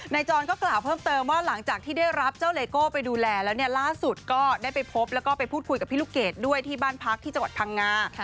จรก็กล่าวเพิ่มเติมว่าหลังจากที่ได้รับเจ้าเลโก้ไปดูแลแล้วเนี่ยล่าสุดก็ได้ไปพบแล้วก็ไปพูดคุยกับพี่ลูกเกดด้วยที่บ้านพักที่จังหวัดพังงา